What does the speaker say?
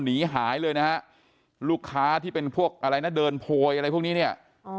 หนีหายเลยนะฮะลูกค้าที่เป็นพวกอะไรนะเดินโพยอะไรพวกนี้เนี่ย